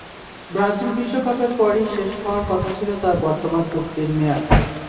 Brazil বিশ্বকাপের পরই শেষ হওয়ার কথা ছিল তাঁর বর্তমান চুক্তির মেয়াদ।